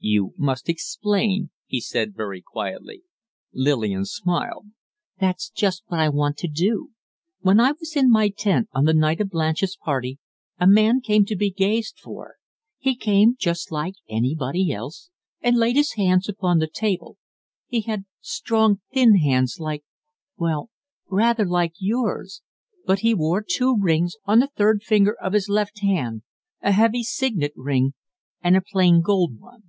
"You must explain," he said, very quietly. Lillian smiled. "That's just what I want to do. When I was in my tent on the night of Blanche's party, a man came to be gazed for. He came just like anybody else, and laid his hands upon the table. He had strong, thin hands like well, rather like yours But he wore two rings on the third finger of his left hand a heavy signet ring and a plain gold one."